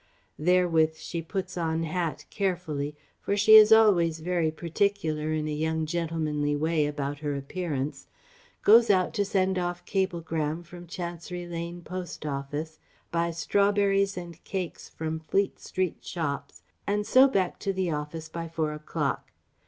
(Therewith she puts on hat carefully for she is always very particular, in a young gentlemanly way, about her appearance goes out to send off cablegram from Chancery Lane post office, buy strawberries and cakes from Fleet Street shops, and so back to the office by four o'clock.